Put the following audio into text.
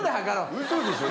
うそでしょ？